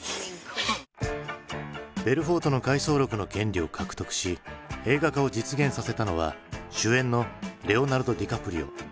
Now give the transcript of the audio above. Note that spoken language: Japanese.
ベルフォートの回想録の権利を獲得し映画化を実現させたのは主演のレオナルド・ディカプリオ。